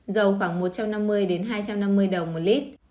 dầu khoảng một trăm năm mươi đến hai trăm năm mươi đồng một lít